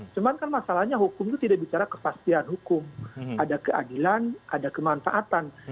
cuman kan masalahnya hukum itu tidak bicara kepastian hukum ada keadilan ada kemanfaatan